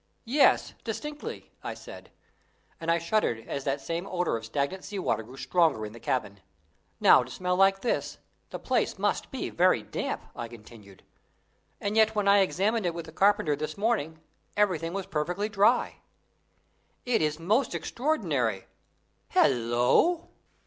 "Yes distinctly," I said, and I shuddered as that same odour of stagnant sea water grew stronger in the cabin. "Now, to smell like this, the place must be damp," I continued, "and yet when I examined it with the carpenter this morning everything was perfectly dry. It is most extraordinary hallo!"